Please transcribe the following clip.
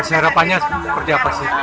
harapannya seperti apa sih